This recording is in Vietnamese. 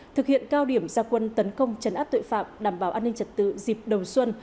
thực hiện cao điểm gia quân tấn công chấn áp tội phạm đảm bảo an ninh trật tự dịp đầu xuân